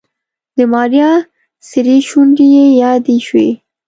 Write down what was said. د ماريا سرې شونډې يې يادې شوې.